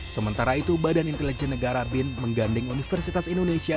sementara itu badan intelijen negara bin mengganding universitas indonesia